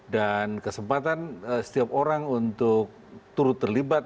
dan kesempatan setiap orang untuk turut terlibat